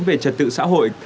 về trật tự xã hội